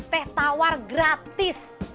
teh tawar gratis